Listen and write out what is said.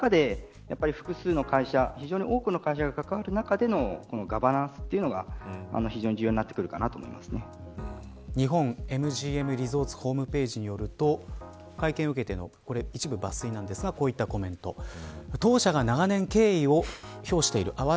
その中で複数の会社非常に多くの会社が関わる中でのガバナンスというのが非常に重要になってくるかな日本ＭＧＭリゾーツホームページによると会見を受けての一部抜粋ですがこういったコメントです。